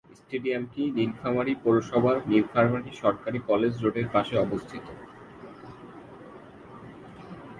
স্টেডিয়ামটি নীলফামারী পৌরসভার নীলফামারী সরকারি কলেজ রোডের পাশে অবস্থিত।